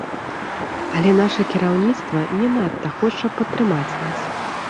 Але наша кіраўніцтва не надта хоча падтрымаць нас.